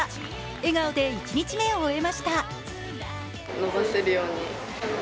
笑顔で１日目を終えました。